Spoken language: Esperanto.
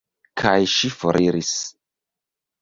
Kaj ŝi foriris.